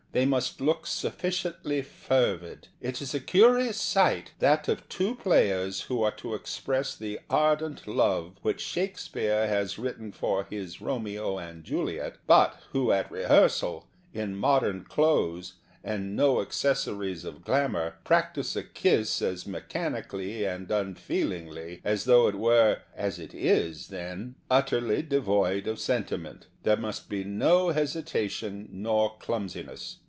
They must look sufficiently fervid. It is a curious sight ŌĆö that of two players who are to express the ardent love which Shakespeare has written for his " Romeo and Juliet," but who at re hearsal, in modern clothes and no acces sories of glamour, practise a kiss as mechanically and unfeelingly as though it were ŌĆö as it is then ŌĆö utterly devoid of sentiment. There must be no hesita tion nor clumsiness.